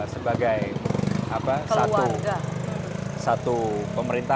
sebagai satu pemerintahan